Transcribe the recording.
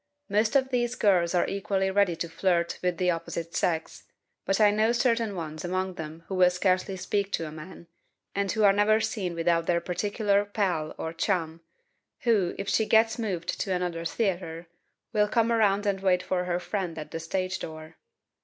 Most of these girls are equally ready to flirt with the opposite sex, but I know certain ones among them who will scarcely speak to a man, and who are never seen without their particular 'pal' or 'chum,' who, if she gets moved to another theater, will come around and wait for her friend at the stage door.